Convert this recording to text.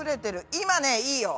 今ねいいよ。